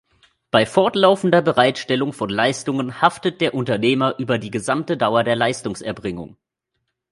Bei fortlaufender Bereitstellung von Leistungen haftet der Unternehmer über die gesamte Dauer der Leistungserbringung.